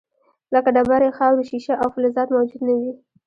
لکه ډبرې، خاورې، شیشه او فلزات موجود نه وي.